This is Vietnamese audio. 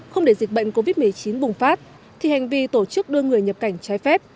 không để dịch bệnh covid một mươi chín bùng phát thì hành vi tổ chức đưa người nhập cảnh trái phép